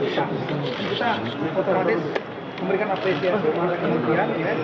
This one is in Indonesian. kita otomatis memberikan apresiasi kepada kementerian